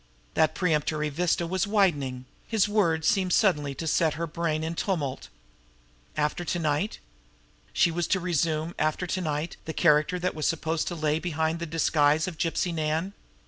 That premonitory vista was widening; his words seemed suddenly to set her brain in tumult. After to night! She was to resume, after to night, the character that was supposed to lay behind the disguise of Gypsy Nan!